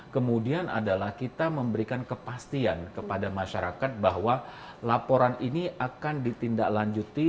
kemudian adalah kita memberikan kepastian kepada masyarakat bahwa laporan ini akan ditindaklanjuti